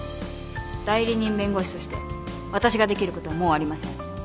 代理人弁護士として私ができることはもうありません。